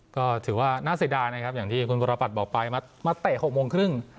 ก็ถือว่าน่าเสียดายนะครับอย่างที่คุณวรปัตรบอกไปมาเตะ๖โมงครึ่ง